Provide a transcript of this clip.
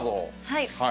はい。